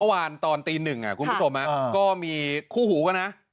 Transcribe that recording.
ตอนตีหนึ่งคุณผู้ชมก็มีคู่หูกันนะ